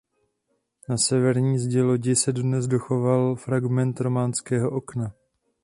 Na severní zdi lodi se dodnes dochoval fragment románského okna.